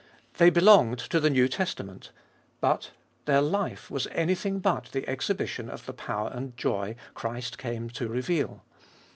They belonged to the New Testament, but their life was anything but the exhibition of the power and joy Christ came to reveal.